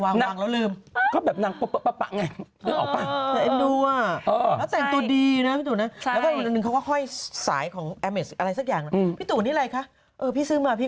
มันไปอย่างนั้นจริง